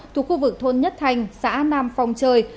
thuộc khu vực thôn nhất thành xã nam phong trời